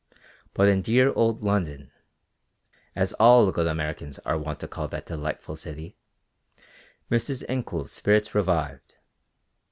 But in dear old London, as all good Americans are wont to call that delightful city, Mrs. Incoul's spirits revived.